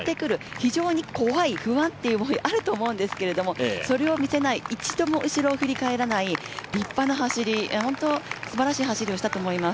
非常に怖い、不安という思いがあると思うんですけれども、それを見せない、一度も後ろを振り返らない立派な走り、本当にすばらしい走りをしたと思います。